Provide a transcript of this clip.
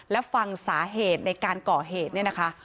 และฟังสาเหตุในการก่อเหตุเนี่ยนะคะ